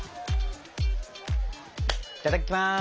いただきます。